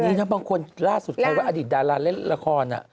นี่นะบางคนล่าสุดใครว่าอดีตดาราเล่นละคร